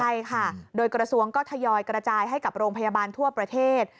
ใช่ค่ะโดยกระทรวงก็ทยอยกระจายให้กับโรงพยาบาลทั่วประเทศ